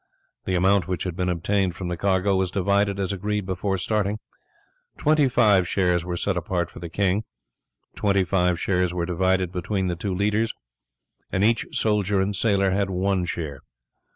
The amount which had been obtained from the cargo was divided as agreed before starting: twenty five shares were set apart for the king, twenty five shares were divided between the two leaders, and each soldier and sailor had one share.